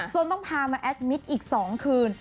ต้องพามาแอดมิตรอีก๒คืน